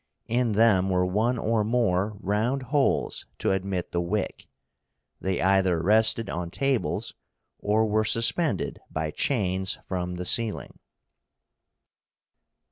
In them were one or more round holes to admit the wick. They either rested on tables, or were suspended by chains from the ceiling.